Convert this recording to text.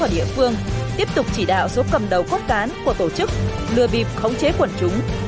hắn và số người địa phương tiếp tục chỉ đạo số cầm đầu cốt cán của tổ chức lừa bịp khống chế quần chúng